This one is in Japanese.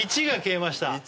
１が消えました